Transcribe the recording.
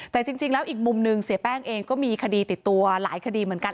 แต่จริงแล้วอีกมุมหนึ่งเสียแป้งเองก็มีคดีติดตัวหลายคดีเหมือนกัน